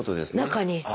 中に。